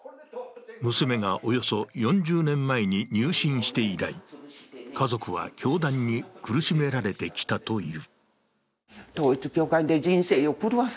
娘がおよそ４０年前に入信して以来、家族は教団に苦しめられてきたという。